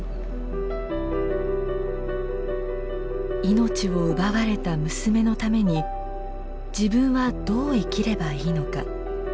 命を奪われた娘のために自分はどう生きればいいのか。